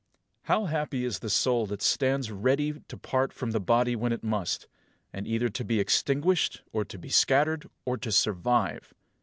3. How happy is the soul that stands ready to part from the body when it must, and either to be extinguished or to be scattered, or to survive!